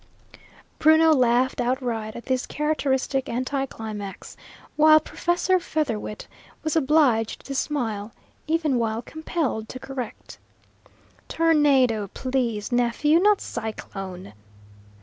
Bruno laughed outright at this characteristic anticlimax, while Professor Featherwit was obliged to smile, even while compelled to correct. "Tornado, please, nephew; not cyclone."